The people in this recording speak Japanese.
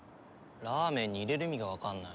ラーメンに入れる意味がわかんない。